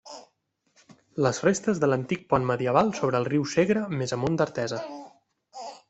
Les restes de l'antic pont medieval sobre el riu Segre més amunt d'Artesa.